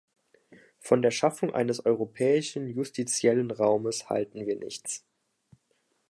Von der Schaffung eines europäischen justiziellen Raumes halten wir nichts.